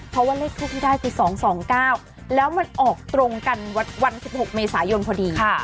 เพราะว่าเลขทูปที่ได้ไป๒๒๙แล้วมันออกตรงกันวัน๑๖เมษายนพอดี